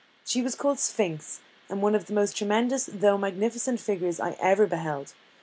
She was called Sphinx, and was one of the most tremendous though magnificent figures I ever beheld.